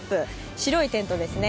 白いテントですね。